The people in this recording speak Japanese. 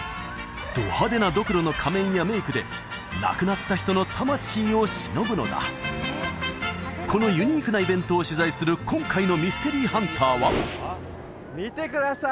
ど派手なドクロの仮面やメイクで亡くなった人の魂をしのぶのだこのユニークなイベントを取材する今回のミステリーハンターは見てください！